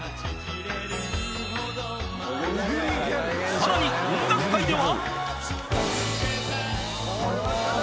［さらに音楽界では］